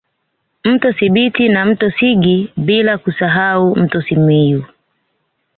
Mto Sibiti na mto Sigi bila kusahau mto Simiyu